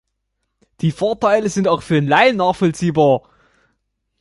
Die Vorteile sind auch für Laien nachvollziehbar.